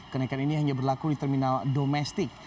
kenaikan ini hanya berlaku di terminal domestik